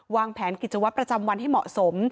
วางแผนกิจวัตรประจำวันให้เหมาะสม